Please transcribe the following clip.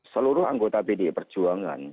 seluruh anggota pdi perjuangan